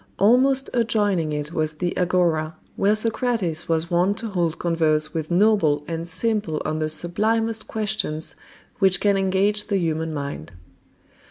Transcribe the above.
Almost adjoining it was the Agora, where Socrates was wont to hold converse with noble and simple on the sublimest questions which can engage the human mind.